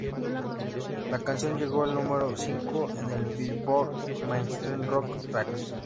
La canción llegó al número cinco en el "Billboard" Mainstream Rock Tracks.